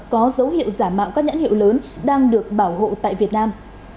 có dấu hiệu giả mạo các nhãn hiệu lớn đang được bảo hộ tại việt nam